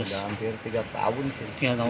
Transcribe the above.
udah hampir tiga tahun